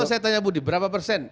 kalau saya tanya budi berapa persen